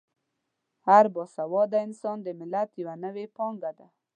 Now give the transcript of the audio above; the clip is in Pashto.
هر با سواده انسان د ملت یوه نوې پانګه ده.